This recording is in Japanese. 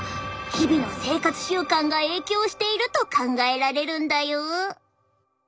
日々の生活習慣が影響していると考えられるんだよ。